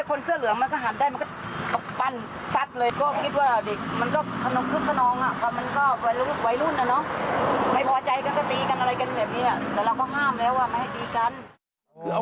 ผักก้นคนเสื้อเหลืองเสื้อเหลือง